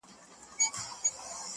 شپه كي هم خوب نه راځي جانه زما’